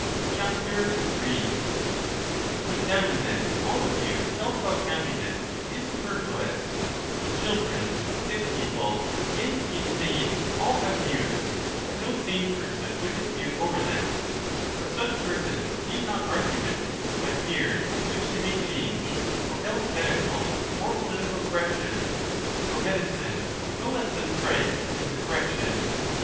3 To examine then all the views held about happiness is superfluous, for children, sick people, and the insane all have 30 views, but no sane person would dispute over them ; for such persons need not argument but years in which they may change, or else medical or political correction — for medicine, no less than stripes, is a correction.